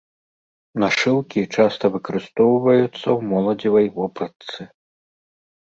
Нашыўкі часта выкарыстоўваюцца ў моладзевай вопратцы.